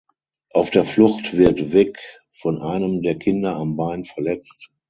Auf der Flucht wird Vic von einem der Kinder am Bein verletzt.